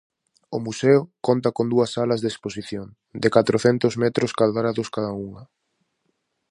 O museo conta con dúas salas de exposición, de catrocentos metros cadrados cada unha.